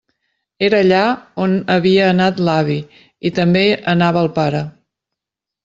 Era allà on havia anat l'avi i també anava el pare.